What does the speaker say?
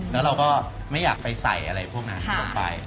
แล้วเราก็ไม่อยากไปใส่อะไรพวกนั้นลงไป